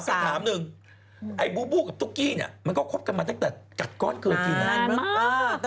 คำถามหนึ่งไอ้บูบูกับตุ๊กกี้เนี่ยมันก็คบกันมาตั้งแต่กัดก้อนเคยจีนานมั้ง